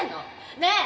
ねえ！